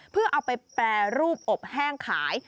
เพื่อเอาไปแปรรูปอบแห้งขาย